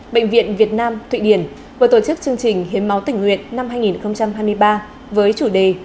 bệnh viện việt nam thụy điển vừa tổ chức chương trình hiến máu tỉnh nguyện năm hai nghìn hai mươi ba với chủ đề